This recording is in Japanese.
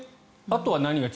あとは何が？